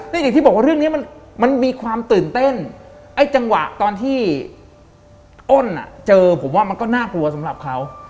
นี่อย่างที่บอกว่าเรื่องนี้มันมีความตื่นเต้นไอ้จังหวะตอนที่อ้นเจอผมว่ามันก็น่ากลัวสำหรับเขา